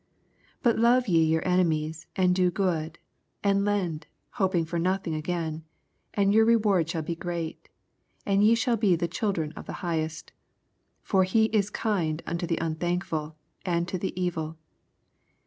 85 But love ye vour enemies, and do ^ood, and lend, Lopini^ for nothing agam ; and your reward snail be great, and ye shall be the children of the Highest : for he is kind unto the un thankfhl and to the evil.